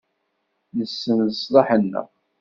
Nessen leṣlaḥ-nneɣ.